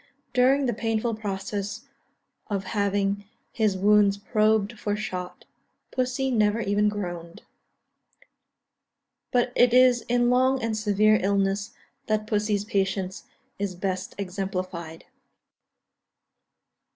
During the painful process of having his wounds probed for shot, pussy never even groaned. (See Note H, Addenda.) But it is in long and severe illnesses that pussy's patience is best exemplified.